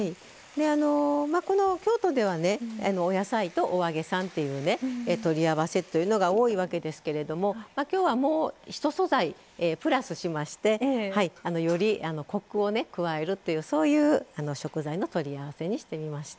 京都では、お野菜とお揚げさんっていう取り合わせというのが多いわけですけれどもきょうはもうひと素材プラスしましてよりコクを加えるというそういう食材の取り合わせにしてみました。